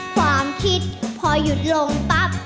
ความคิดพอหยุดลงปั๊บ